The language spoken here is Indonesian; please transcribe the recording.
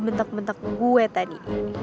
bentak bentak gue tadi